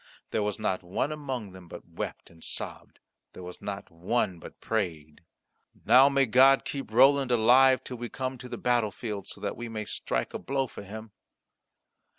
There was not one among them but wept and sobbed; there was not one but prayed, "Now, may God keep Roland alive till we come to the battlefield, so that we may strike a blow for him."